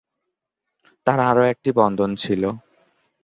তাঁর আরও একটি বন্ধন ছিল।